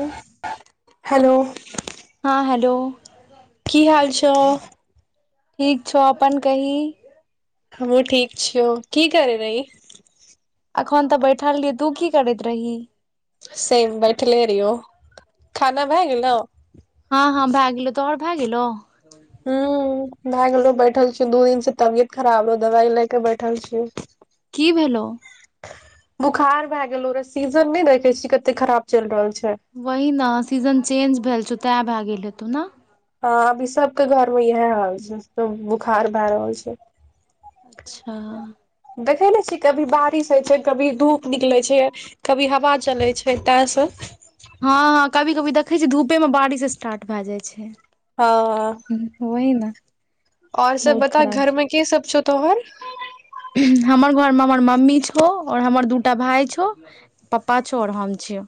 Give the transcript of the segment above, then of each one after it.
हँ हेलो। हँ हेलो की हाल छै? ठीक छौ, अपन कही? हमहूँ ठीक छियौ, की करै रही? अखन त बैठल रहियै, तू की करैत रही? सेम बैठले रहियौ, खाना भए गेलौ? हँ-हँ भा गेलौ, तोहर भा गेलौ? हँ। भा गेलौ बैठल छीयौ, दु दिन से तबियत खराब रहौ दवाइ ले के बैठल छियौ। की भेलौ? [inaudible] बुखार भए गेल रहौ, सीजन नै देखै छी कते खराब चलि रहल छै। वही न सीजन चेंज भेल छौ, तैं भा गेल हेतौ न? हं अभी सबके घर मे इएह हाल छै, सब बुखार भए रहल छै। [inaudible] अच्छा। देखै ने छीही कभी बारिश होइ छै, कभी धूप निकलै छै। कभी हवा चलै छैय, तैय से हां हां कभी-कभी दखै छियै धूपेमे बारिश स्टार्ट भए जाइ छै। हां हूं वही ने ओर सब बता घरमें के सब छौ तोहर हमर घरमे हमर मम्मी छौ, ओर हमर दूटा भाय छौ। पप्पा छौ, और हम छियौ।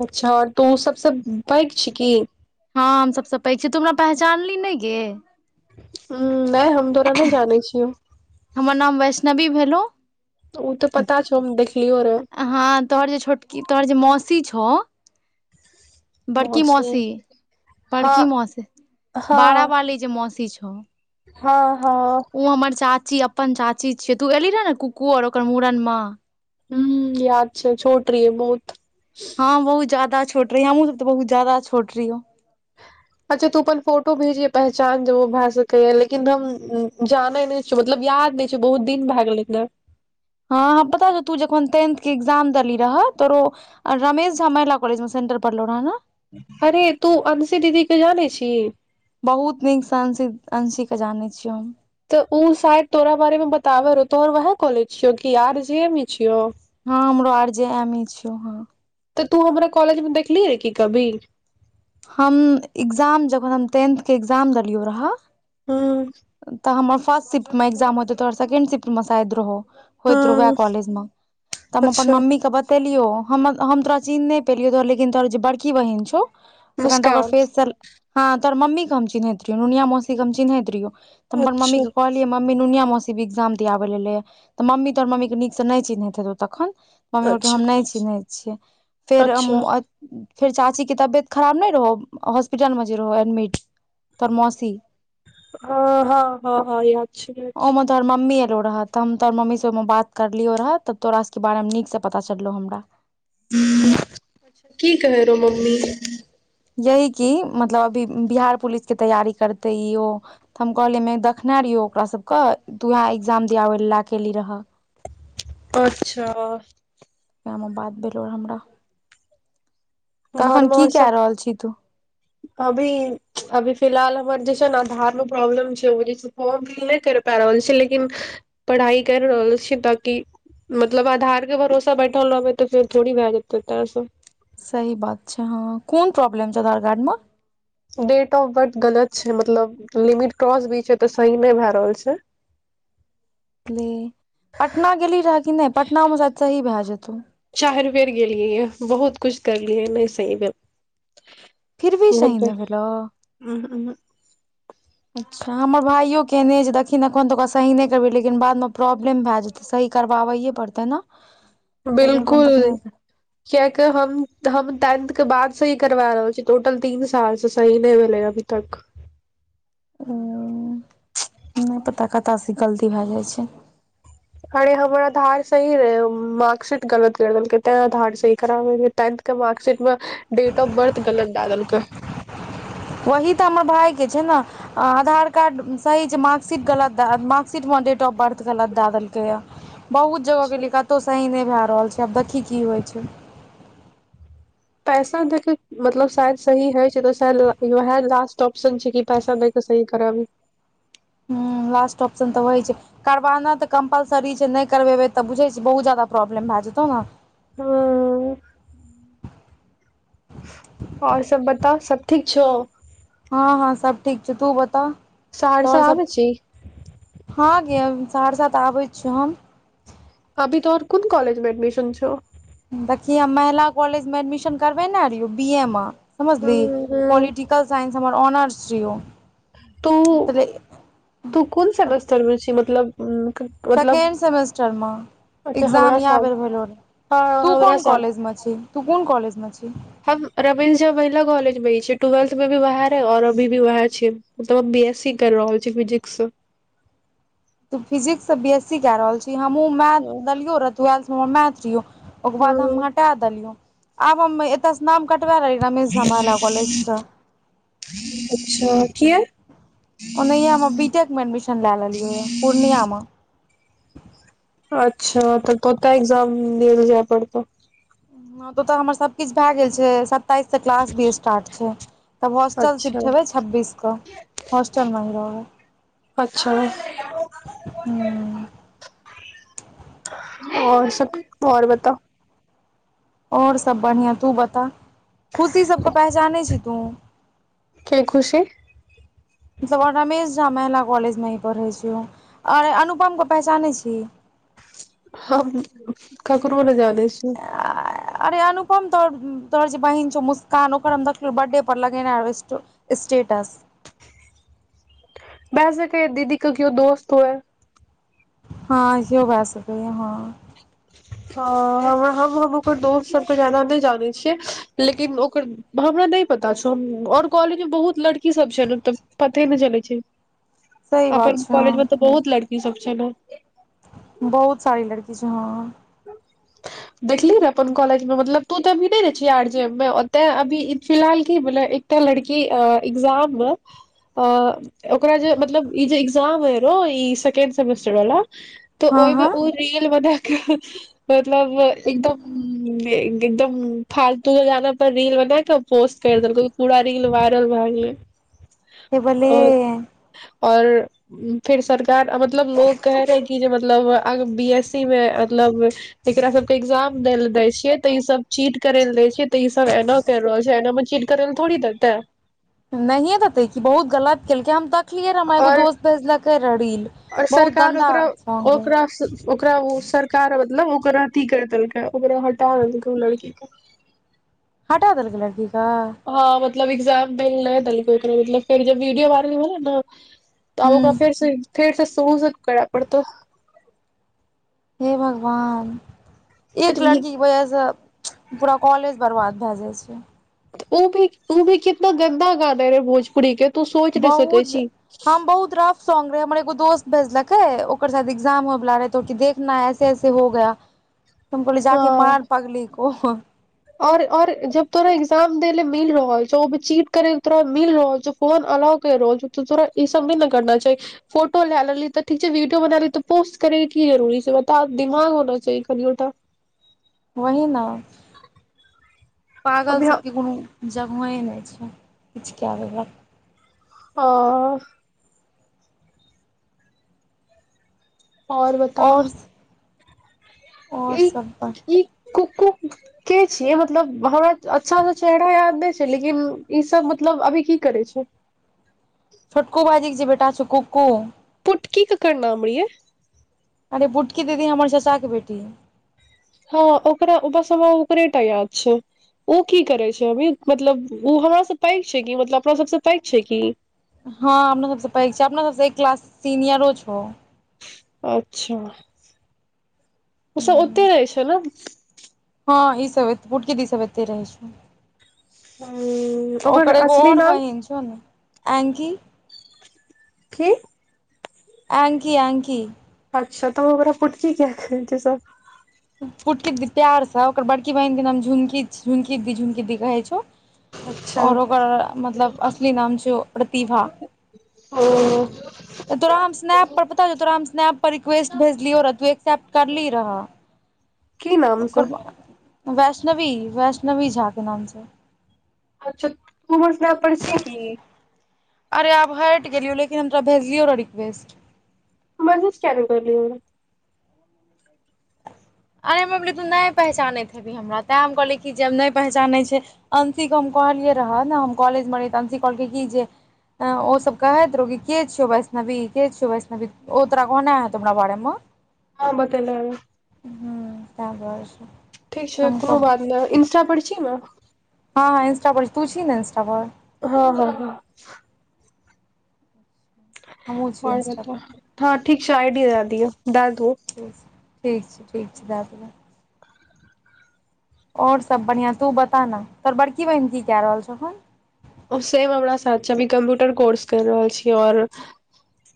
अच्छा और तवऽ सबसे पैघ छी की हां हम सबसे पैघ छी, तु हमरा पहचानलि नैय गे हूॅं नैह हम तोरा नहि जानै छियौ। हमर नाम वैष्णवी भेलहुं। उ तेयऽ पता छौ हम देखलियो रे हाँ तोहर जे छोटकी तोहर जे मौसी छौ। बड़की मौसी, हँ बड़की मौासी बारा बाली जे मौसी छौ। हां हां उ हमर चाची अपन चाची छिये, तू एलहि रेहि ने कुकु आर ओकर मूड़न में हूॅं, याद छैय छोट रहिए बहुत हां बहुत जादा छोट रहि हमहुँ सब तऽ बहुत जादा छोट रहियौ। अच्छा तू अपन फोटो भेजिये पहचान जेबै ओ भए सकैय लेकिन हम जाने नैय मतलब याद नै छै, बहुत दिन भए गेलै नेय हां हां पता छौ, तू जखन टेंथ के एग्जाम देलि रहे तोरो आ रमेश झा महिला कॉलजमें सेंटर पढ़लो रहय ने अरे तू अंशी दीदी के जानै छी। बहुत नीकसे अंशी के जानै छियौ हम तऽ उ शायद तोरा बारे मे बताबे रहौ तोहर वएह कॉलेज छियौ की आर जे एम छियौ। हां हमरो आर जे एम मे छियौ हां। तऽ तू हमरा कॉलेज मे देखलि रहे की कभी हम एग्जाम जखन हम टेन्थ के एग्जाम देलियौ रहऽ हूॅं तऽ हमर फर्ट सिफ्ट मे एक्जाम होेतै तोहर सकेंड सिफ्ट मे शायद रहौ। होयत रहौ हूं वएह कॉलेज में तऽ हम अपन अच्छा मम्मी क ब बतेलियौ हम तोरा चिन्ह नै पेलियौ तोहर लेकिन तोहर जे बड़की बहिन जे छौ कनटा ओकर मुस्कान। फेस से हां तोर मम्मी के हम चिन्हैत रहियो, नुनिया मौसी के हम चिन्हैत रहियो। तऽ हम अपन मम्मी अच्छा के कह मम्मी नुनिया मौसी इग्जाम दियाबै ले एलै ये तऽ मम्मी तोहर मम्मी के नीक से नैय चिन्हत हेतौ तखन मम्मी कहलकै अच्छा हम नैय चिन्है छियै, फेर अच्छा फेर चाची के तबियत खराब नै रहो हॉस्पिटल मे जे रहो एडमिट तोहर मौसी ह हां हां हां य ओ मे तोहर मम्मी एलौ रह तऽ हम तोहर मम्मीसे ओहिमे बात करलियौ रहऽ तऽ तोरा सबके बारेमे नीकसे पता चललौ हमरा अच्छा की कहै रहौ मम्मी यही की मतलब अभी बिहार पुलिस के तैयारी करतै ई ओ तऽ हम कहलियै देखने रहियौ ओकरासभके तऽ तुएह एक्जाम दियाबैय लेल लए एयली रहए। अच्छा वएह बात भेलहुं रहे हमरा तऽ घर अखन मे और की कए सब। रहल छी तू अभी -अभी फिलहाल हमर जे छै ने आधार मे प्रॉब्लम छैय। [unintelligible] हँ भी नै कैर पा रहल छी लेकिन पढ़ाइ कैर रहल छी ताकि। मतलब आधार के भरोसा बैठल रहबै तऽ फेरथोड़ी भए जेतै तें सऽ। सही बात छै हँ कोन प्रॉब्लम छौ तोरा आधार मे? डेट ऑफ बर्थ गलत छै मतलब लिमिट क्रॉस भी छै तऽ सही नै भए रहल छै। [unintelligible] पटना गेली रहऽ कि नै पटनामे सायद सही भए जेतौ? चैर बेर गेलियै ये बहुत कुछ करलियै नै सही फिर भी भल। सही हेतै नहि भेलौ उहूँ, उहूँ। अच्छा हमर भाइयो केने जे दखिनऽ एखन तऽ ओकरा सही नै करबै लेकिन बादमे प्रॉब्लम भए जेत। तऽ सही करबाबैए पड़तै नऽ। बिल्कुल कियाक हम हम टेंथ के बाद सही करवा रहल टोटल तीन साल से सही नै भेलेै हन। भी तक। हूँ नै पता कतऽ सँ गलती भए जाय छै। अरे हमर आधार सही रहै मार्कशीट गलत कर देलकै तै आधार सही कराबेै तैंत। के मार्कशीट में डेट ऑफ बर्थ गलत डालल कै। वही तऽ हमर भाय के छै नऽ। हँ आधार कार्ड सही छै मार्कशीट गलत दए मार्कशीटमे डेट ऑफ बर्थ गलत दए देलकैए। बहुत जगह गेलियै कतौ सही नै भए रहल छै आब देखी की होय छै। पैसा देखे मतलब शायद सही हेै छै होय [unintelligible] वएह लास्ट ऑप्शन छै कि पैसा देख। तऽ सही कराबही। हँ लास्ट ऑप्शन तऽ होय छै। करवाना तऽ कम्पलसरी छै नै करवेबै तऽ बुझै छी बहुत जादा प्रॉब्लम भए जेतौ नऽ। हूँ। और सब बताउ सब ठीक छौ? हँ हँ सब ठीक छौ तू बता सहरसा तोहर आबै सब- छी हँ गे सहरसा तऽ आबै छियौ हम। अभी तोहर कोन कॉलज मे एडमिशन छौ। देखिये महिला कॉलेज मे एडमिशन करबेने रहियो बी ए मे हूं समझली हूं पोलिटिक। कलसान्स हमर ऑनर्स छियौ। तू [unintelligible] तू कोन सेमेस्टर में छी मतलब उ एखन। सेकेण्ड सेमेस्टर मऽ एकग्जाम हमरा इएह साथ बेर भेलौ र। हँ तू हमरा कोन साथ कॉलेज मे छी तू कोन कॉलज मे छी? हम रमेश झा महिला कॉलेज मे छी टुवेल्थ मे भी वएहे रहे और अभी भी वएहे छै। मतलब अब बी एस सी कर रहल छी फिजिक्स सँ। तू फिजिक्ससँ बी एस सी कए रहल छी हमहूँ मैथ लेलियौ रह टुवेल्थ हमर मैथ रियौ। ओकर बाद हम हँ हटा देलियै आब हम एतयसँ नाम कटबा लेलियै रमेश झा महिला कॉलेजसँ। अच्छा किये? ओनहिये हमे बीटेक मे एडमिशन लेए लेलियौ ये पूर्णिया में। अच्छा तऽ कतऽ एग्जाम दियै लेअ जेएय पड़तौ? हमरा ओतऽ तऽ हमर सबकिछु भए गेल छै सब। तैं तऽ क्लास भी स्टार्ट छै तब होस्टल अच्छा शिफ्ट हेबै छब्बीस कऽ। हॉस्टल मे रहबेै। अच्छा ह। और सब और बता। और सब बढ़िया तू बता। खुशी सब के पहचानै छी तू। के खुशी मतलबऔर रमेश झा महिला कॉलेज मे ही पढ़े छै ओ। अरे अनुपमके पहिचानै छी। हम ककरो नय जानय छी। अरे अनुपम तोह तोहर जे बहिन छौ मुस्कान ओकर हम देखलियो बर्डे पर लगेने रहौ स्टे स्टेटस। भ सकय या दीदी के किओ दोस्त होइ। हँ इओ भए सकैया हँ। हँ हम हम ओकर दोस्त सबके दोस सबके जादा नहि जानै छियै लेकिन ओकर हमरा नहि पता छौ और कॉलेज मे बहुत लड़की सब छै ने त पते ने चलैय छै। सही बात अपन छै कॉलेज मे तऽ हँ बहुत लड़की सब छै ने। बहुत सारी लड़की छै हँ। हू देखली ने अपन कॉलेज मे मतलब तू तऽ अभी नहि न छिही आर जे मे ओते अभी इ फिलहाल की भेले एकटा लड़की अ एग्जामम अ ओकरा जे मतलब ई जे एग्जाम हे रो ई सेकेंड सेमेस्टर वाला तऽ हँ ओहिमे हँ उ रील बना क मतलब एकदम एकदम फालतू के गाना पर रील बना क पोस्ट कैर देलकऊ पुरा रील वाइरल भए गेलै। ईब ले। ओ और फिर सरकार मतलब लोग कहै रहे कि जे मतलब अब बी एस सी मे मतलब एकरा सब के एग्जाम दैय ल दय छिये तऽ ई सब चीट करे ल दय छिय तऽ इ सब एना कैर रहल छै एनामे चीट करैल थोड़ी दतै। नहिये देतै कि बहुत गलत केलकै हम त देखलियै रे एगो और दोस्त भेजलकै रैहा रील और बहुत सरकार गंदा ओकरा सॉन्ग रहे। ओकरा ओकरा ओ सरकार मतलब ओकरा अथी कर देलकै ओकरा हटा देलकै ओ लड़की के। हटा देलकै लड़की क? हँ मतलब एग्जाम दैल नहि देलकै ओकरा मतलब फेर जब वीडियो वायरल भेलै ने त आब हूं ओकरा फेर से फेर से शुरू स करै पड़तय। हे भगवान एक तऽ लड़कीके वजहस पूरा कॉलेज बर्बाद भए जाइ छै। उ भी उ भी कितना गन्दा गाना रहे भोजपुरी के तू सोच नहि सकै बहुज ज्य छी हम बहुत रफ सौंग रहेै हमर एगो दोस्त भेजलकै ओकर शायद एग्जाम होय बला रहै कहलकै देखना ऐसे ऐसे हो गया। [unintelligible] हम कहली हँ जाके मार पगली को। और और जब तोरा एक्जाम दैल मिल रहल छौ ओ भी चीट करे लेल तोरा मिल रहल छौ फोन अलाव कर रहल छै तोरा ई सब नहि न करना चाही। फोटो लए लेली तऽ ठीक छै वीडियो बना ली तऽ पोस्ट करै के की जरुरी छै बता दिमाग होना चाही कनियो टा। वही ना। पागल अभी सबके कोनो जगहे नहि छै किछु कए देलक। हँऽ। और बताउ? और और सब ई-ई कु-कु के छियै? मतलब हमरा अच्छा स चेहरा याद नैय छै, लेकिन ई सब मतलब अभी की करै छै? छोटको भाइजी के जे बेटा छौ कुकु। पुटकी ककर नाम रईये? अरे बुटकी दीदी हमर चचा के बेटी। हँ ओकरा ओ बस हमरा ओकरे टा याद छै। उ की करे छै अभी? मतलब उ हमरा स पैग छै कि मतलब अपना सब सऽ पैग छै की? हँ, अपना सब स पैग छैय, अपना सब स एक क्लास सीनियरो छौ। अच्छा, ओसब ओत्ते रहै छै न? हँ ई सब एत्-बुटकी दी सब एतै रहै छै। ह्म्म्म। ओकर एगो और बहिन छौ ने, एंकी की? एंकी-एंकी। अच्छा त ओकरा पुटकी कियै कहै छै सब? पुटकी दी प्यार स, ओकर बड़की बहिन के नाम झुंकी छी, झुंकी दी झुंकी दी कहै छौ? अच्छा और ओकर मतलब असली नाम छियौ प्रतिभा। ओऽ। तोरा हम स्नैप पर, पता चौ तोरा हम स्नैप पर रिक्वेस्ट भेजलियौ रह, तू एक्सेप्ट करली रहऽ, की नाम से ओकर बा वैष्णवी, वैष्णवी झा के नाम स। अच्छा तू हमर स्नैप पर छी कि? अरे आब हैइट गेलियो, लेकिन हम तोरा भेजलियौ र रिक्वेस्ट। मैसेज कियैऽ ने करली हमरा? अरे हमरा बेलै तू नैय पहचानैत हेबी हमरा, तैंऽ हम कहलियै कि जेब नहि पहचानै छै अंशी क हम कहलियै रहाऽ न, हम कॉलेज में रहै तऽ अंशी कहलकै की जे अ ओ सब कहैत रहौ कि के छियौ वैष्णवी? के छियौ वैष्णवी? ओ तोरा कहने हेतौ मरा बारे में? ऑं बतेलै हॅं, तैंऽ दुआरे स। ठीक छै, कुनो बात नैय, इंस्टा पर छी ना? हँ-हँ, इन्स्टा पर तू छी ने इन्स्टा पर? हँ-हँ-हँ। हमहुँ छी इंस्टा पर हँ ठीक छै आइ डी दैऽ दियौ दैऽ देवौ। ठीक छै ठीक छै, ठीक छै, दैऽ देबै। और सब बढ़ियां, तू बता न? तोहर बड़की बहिन की कैऽ रहल छौ अखन? ओ सेम हमरा साथ छै, अभी कम्पुटर कोर्स कैर रहल छीयै, और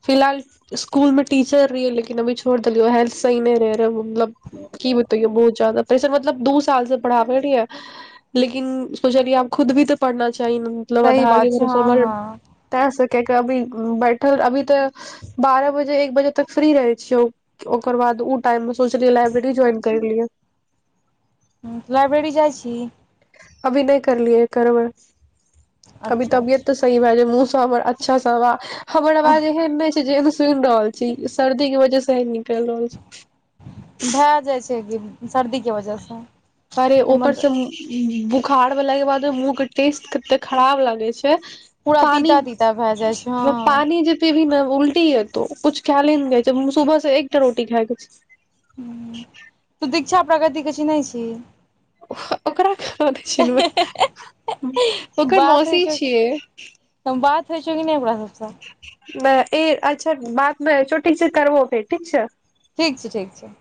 फिलहाल इ-इस्कुल में टीचर रहियै, लेकिन अभी छोड़ देलियै हैल्थ सही नैय रहे, रौ-मलब की बतैयौ बहुत जादा प्रेशर मतलब दू साल स परहाबल रहियै। लेकिन सोचलियै आब खुद भी तऽ पढ़ना चाही न मतलब सही आधार के बात छै भरोसा हँ पर हँ तैं से केक अबी बैठल अभी तऽ बारऽ बजे एक बजे तक फ्री रहै छियौ। ओकर बाद ऊ टाइम में सोचलियै लाइब्रेरी ज्वाइन कैर लियै। हुं त लाइब्रेरी जाइ छीइ? अभी नै करलिए यै करबै। अभी अच्छा तबियत तै अच्छा सही भै जाए मुँह से हमर अच्छा से हमर आवा हमर अवाज एहेन नै छै जे सुइन रहल छी, सर्दी के वजह से ऐहेन निकैल रहल छै। भै जाए छै गे सर्दीके वजह से अरे तै मे ऊपर से बुखार भेलाक के बादो मुंह के टेस्ट कते खराब लागे छै। पूरा पानी तीता तीता भए जाइ छै में हँ पानी जे पिभि नै उल्टी एतो कुछ खाएलै नै जाए छै मु सुबह से एकटा रोटी खै के छीयै। हुं तू दिक्क्षा प्रगति के चिन्हय छी। ओकरा कना नै चीन्हबय। ओकर बात होइ मौसी छौ छियै। बात होइ छौ कि नहि ओकरा सबसँ नै ए अच्छा बात नै होय छै, ठीक छै करबो फेर ठीक छै। ठीक छै, ठीक छै।